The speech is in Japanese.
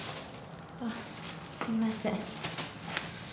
あっすいません。